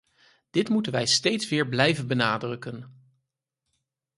Dit moeten wij steeds weer blijven benadrukken!